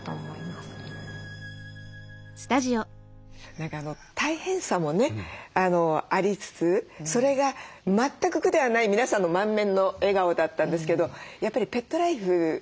何か大変さもねありつつそれが全く苦ではない皆さんの満面の笑顔だったんですけどやっぱりペットライフ